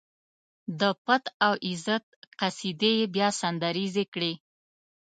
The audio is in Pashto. د پت او عزت قصيدې يې بيا سندريزې کړې.